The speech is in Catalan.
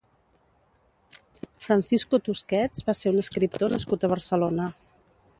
Francisco Tusquets va ser un escriptor nascut a Barcelona.